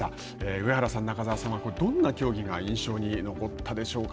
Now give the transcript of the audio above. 上原さん、中澤さんはどんな競技が印象に残ったでしょうか。